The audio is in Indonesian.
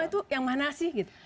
itu yang mana sih gitu